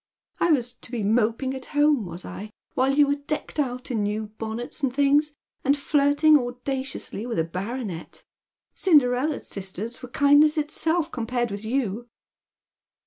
I was to be moping at home, was I, while you were decked out in new bonnets and things, and flirting audaciously with a baronet. Cinderella's sisters were kindness itself compared with you."